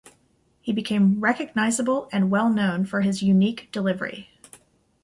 He became recognizable and well known for his unique delivery.